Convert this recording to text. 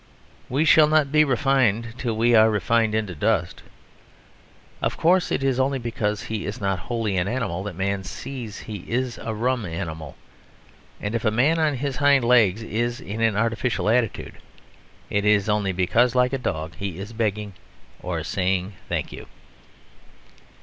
We shall not be refined till we are refined into dust. Of course it is only because he is not wholly an animal that man sees he is a rum animal; and if man on his hind legs is in an artificial attitude, it is only because, like a dog, he is begging or saying thank you.